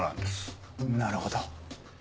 なるほど。